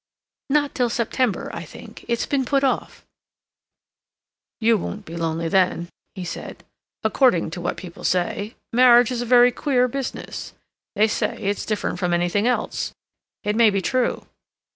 "Not till September, I think. It's been put off." "You won't be lonely then," he said. "According to what people say, marriage is a very queer business. They say it's different from anything else. It may be true.